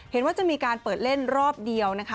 เห็นว่าจะมีการเปิดเล่นรอบเดียวนะคะ